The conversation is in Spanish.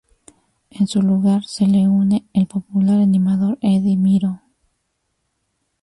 En su lugar, se le une el popular animador Eddie Miro.